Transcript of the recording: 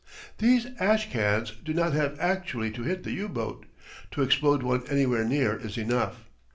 These ash cans do not have actually to hit the U boat; to explode one anywhere near is enough.